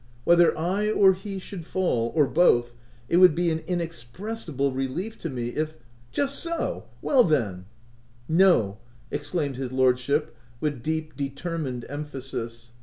Whether I or he should fall— or both, it would be an inexpressible relief to me, if "" Just so ! Well then— " No I" exclaimed his lordship with deep, determined emphasis.